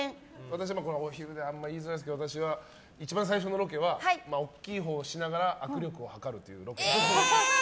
お昼で言いづらいですけど私は一番最初のロケは大きいほうをしながら握力を測るというロケでした。